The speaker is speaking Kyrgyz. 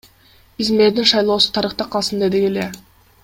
Биз мэрдин шайлоосу тарыхта калсын дедик эле.